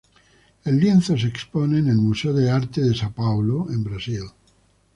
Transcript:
El lienzo se expone en el Museo de Arte de São Paulo, en Brasil.